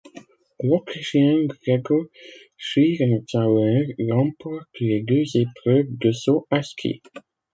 L'Autrichien Gregor Schlierenzauer remporte les deux épreuves de saut à ski.